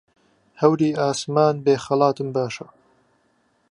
هەوری ئاسمان بێ خەڵاتم باشە